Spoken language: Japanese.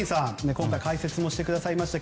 今回解説もしてくださいました。